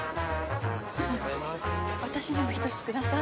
私にも１つください。